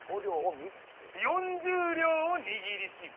４０両を握りしめ。